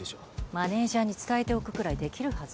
マネージャーに伝えておくくらいできるはず